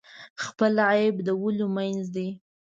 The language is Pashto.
خپل عیب د ولیو منځ دی.